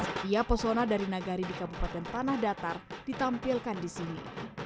setiap pesona dari nagari di kabupaten tanah datar ditampilkan di sini